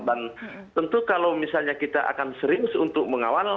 dan tentu kalau misalnya kita akan serius untuk mengawal